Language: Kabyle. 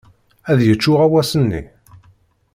Ad yečč uɣawas-nni?